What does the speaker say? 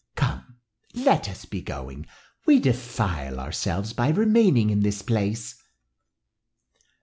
Come, let us be going. We defile ourselves by remaining in this place."